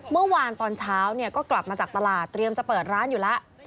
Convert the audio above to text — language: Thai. เมื่อวานตอนเช้าก็กลับมาจากตลาดเตรียมจะเปิดร้านอยู่แล้ว